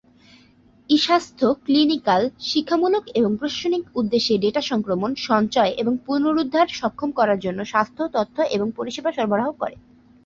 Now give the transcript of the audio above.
ই-স্বাস্থ্য clinical, শিক্ষামূলক এবং প্রশাসনিক উদ্দেশ্যে ডেটা সংক্রমণ, সঞ্চয় এবং পুনরুদ্ধার সক্ষম করার জন্য স্বাস্থ্য তথ্য এবং পরিষেবা সরবরাহ করে।